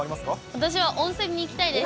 私は温泉に行きたいです。